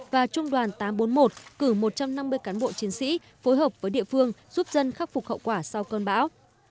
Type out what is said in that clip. và trung đoàn tám trăm bốn mươi một cử một trăm năm mươi cán bộ chiến sĩ phối hợp với địa phương giúp dân khắc phục hậu quả sau cơn bão